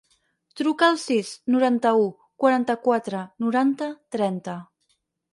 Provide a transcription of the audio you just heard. Truca al sis, noranta-u, quaranta-quatre, noranta, trenta.